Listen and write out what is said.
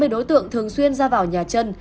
ba mươi đối tượng thường xuyên ra vào nhà trân